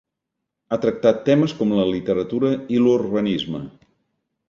Ha tractat temes com la literatura i l'urbanisme.